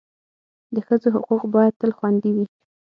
د ښځو حقوق باید تل خوندي وي.